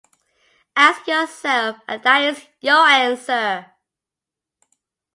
Ask yourself and that is your answer!